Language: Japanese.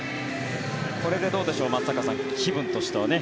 これでどうでしょう、松坂さん気分としては。